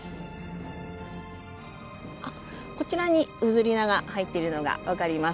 あっこちらにフズリナが入っているのがわかります。